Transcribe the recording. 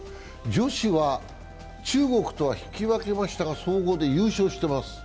女子は中国とは引き分けましたが総合で優勝しています。